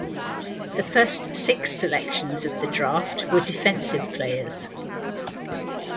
The first six selections of the draft were defensive players.